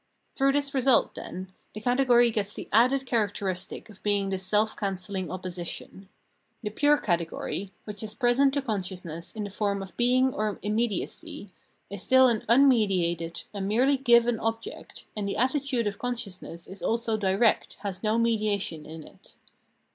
Through this result, then, the category gets the added characteristic of being this self cancelhng opposition. The "pure" category, which is present to consciousness in the form of being or immediacy, is still an unmediated, a merely given object, and the attitude of consciousness is also direct, has no mediation in it.